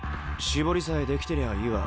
絞りさえできてりゃいいわ。